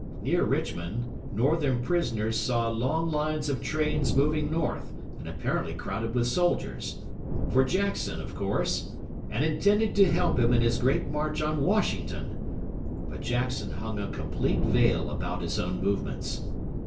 Near Richmond, Northern prisoners saw long lines of trains moving north and apparently crowded with soldiers. For Jackson, of course! And intended to help him in his great march on Washington! But Jackson hung a complete veil about his own movements.